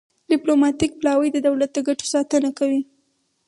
ډیپلوماتیک پلاوی د دولت د ګټو ساتنه کوي